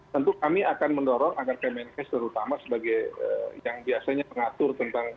tentu kami akan mendorong agar kemenkes terutama sebagai yang biasanya mengatur tentang